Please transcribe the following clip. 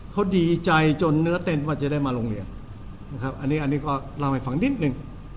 เขาดีใจจนเนื้อเต้นว่าจะได้มาโรงเรียนนะครับอันนี้อันนี้ก็เล่าให้ฟังนิดหนึ่ง